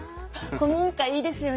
古民家いいですよね。